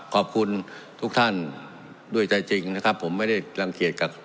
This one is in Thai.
ขอบคุณทุกท่านด้วยใจจริงนะครับผมไม่ได้รังเกียจกับ